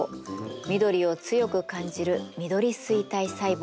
緑を強く感じる緑錐体細胞。